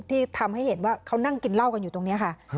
ที่ทำให้เห็นว่าเขานั่งกินเหล้ากันอยู่ตรงนี้ค่ะ